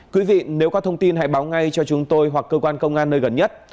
quý vị nếu có thông tin hãy báo ngay cho chúng tôi hoặc cơ quan công an nơi gần nhất